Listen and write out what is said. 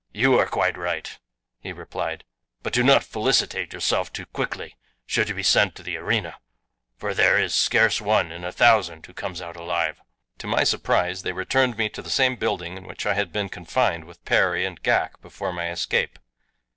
"You are quite right," he replied; "but do not felicitate yourself too quickly should you be sent to the arena, for there is scarce one in a thousand who comes out alive." To my surprise they returned me to the same building in which I had been confined with Perry and Ghak before my escape.